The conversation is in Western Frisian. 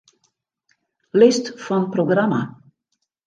List fan programma.